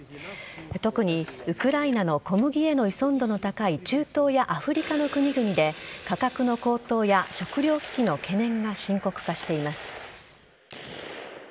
特にウクライナの小麦への依存度の高い中東やアフリカの国々で価格の高騰や食糧危機の懸念が深刻化しています。